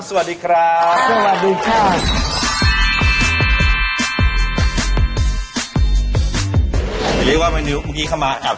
สวัสดีครับ